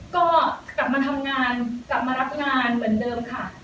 ก็กลับมาทำงานกลับมารับงานเหมือนเดิมค่ะ